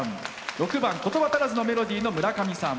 ６番「言葉足らずのメロディ」のむらかみさん。